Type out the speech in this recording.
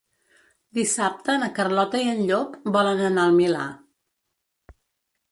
Dissabte na Carlota i en Llop volen anar al Milà.